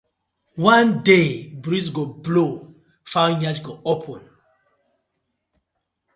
One day breeze go blow, fowl yansh go open: